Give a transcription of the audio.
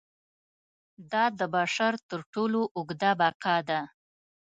دا د بشر تر ټولو اوږده بقا ده.